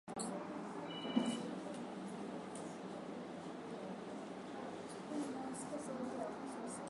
wacha unga wa chapati kwa dakika ishirini kabla ya kupika